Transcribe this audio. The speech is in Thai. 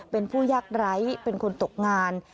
เป็นผู้ยากไร้เป็นคนตกงาน